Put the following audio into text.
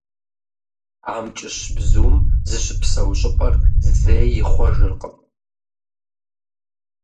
АмкӀыщ бзум зыщыпсэу щӏыпӏэр зэи ихъуэжыркъым.